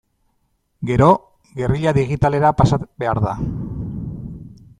Gero, gerrilla digitalera pasa behar da.